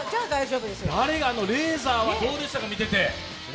レーザーはどうでしたか、見てて。